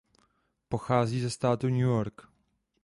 Pochází ze státu New York.